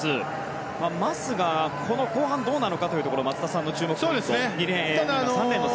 マスが後半どうなのかというところ松田さんの注目ポイント